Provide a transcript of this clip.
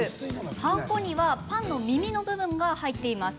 パン粉にはパンの耳の部分が入っています。